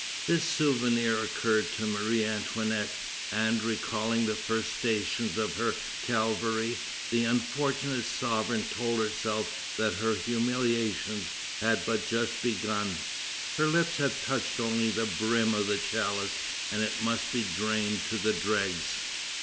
This souvenir occurred to Marie Antoinette, and, recalling the first stations of her Calvary, the unfortunate sovereign told herself that her humiliations had but just begun. Her lips had touched only the brim of the chalice, and it must be drained to the dregs.